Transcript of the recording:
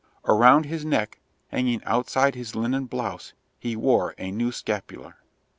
Around his neck, hanging outside his linen blouse, he wore a new scapular.